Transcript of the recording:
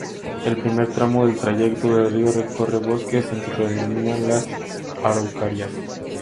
El primer tramo del trayecto del río recorre bosques en que predominan las araucarias.